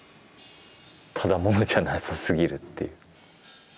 ただ者じゃなさすぎるっていう。